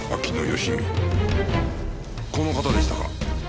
この方でしたか？